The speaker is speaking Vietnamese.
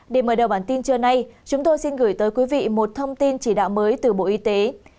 điểm mở đầu bản tin trưa nay chúng tôi xin gửi tới quý vị một thông tin chỉ đạo mới từ bộ y tế